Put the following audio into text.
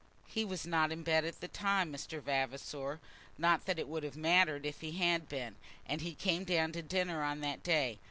"He was not in bed at the time, Mr. Vavasor. Not that it would have mattered if he had been. And he came down to dinner on that day.